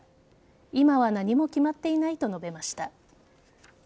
今は何も決まっていないと述べました。